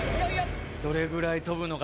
どれぐらい飛ぶのか？